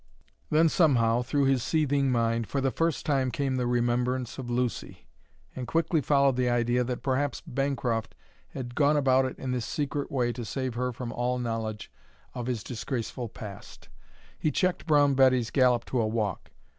Then, somehow, through his seething mind, for the first time came the remembrance of Lucy, and quickly followed the idea that perhaps Bancroft had gone about it in this secret way to save her from all knowledge of his disgraceful past. He checked Brown Betty's gallop to a walk.